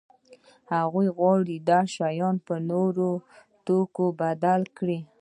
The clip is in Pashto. هغه غواړي دا شیان په نورو توکو بدل کړي.